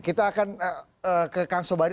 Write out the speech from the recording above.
kita akan ke kang sobari